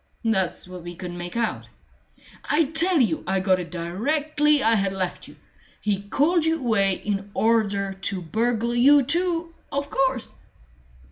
"That's what we couldn't make out." "I tell you I got it directly I had left you. He called you away in order to burgle you too, of course!"